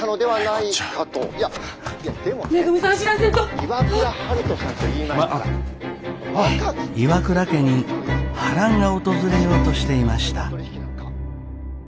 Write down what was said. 岩倉家に波乱が訪れようとしていました。